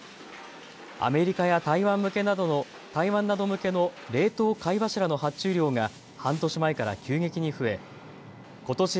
アメリカや台湾など向けの冷凍貝柱の発注量が半年前から急激に増えことし